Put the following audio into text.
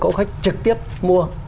có khách trực tiếp mua